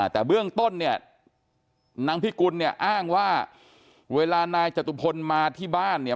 แต่เบื้องต้นเนี่ยนางพิกุลเนี่ยอ้างว่าเวลานายจตุพลมาที่บ้านเนี่ย